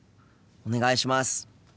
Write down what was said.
お願いします。